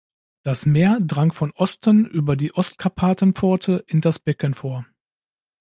Das Meer drang von Osten über die Ostkarpaten-Pforte in das Becken vor.